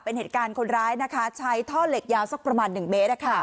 เป็นเหตุการณ์คนร้ายนะคะใช้ท่อเหล็กยาวสักประมาณ๑เมตร